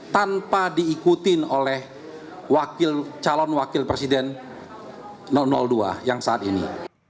tanpa diikutin oleh calon wakil presiden dua yang saat ini